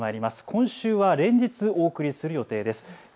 今週は連日お送りする予定です。